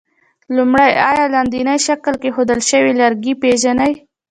لومړی: آیا لاندیني شکل کې ښودل شوي لرګي پېژنئ؟